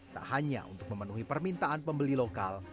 tak hanya untuk memenuhi permintaan pembeli lokal